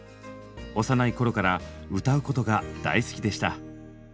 幼い頃から歌うことが大好きでした。